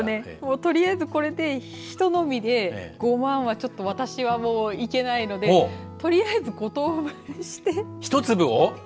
取りあえずこれでひと飲みで５万は私は、いけないのでとりあえず５等分にして１粒を。